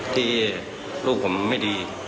ที่ลูกผมไม่ดี